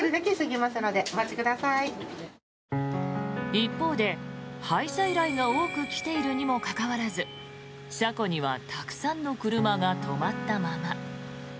一方で配車依頼が多く来ているにもかかわらず車庫にはたくさんの車が止まったまま。